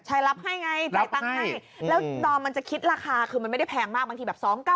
ใช่รับให้ไง